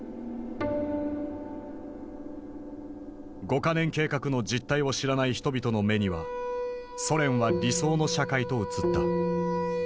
五か年計画の実態を知らない人々の目にはソ連は理想の社会と映った。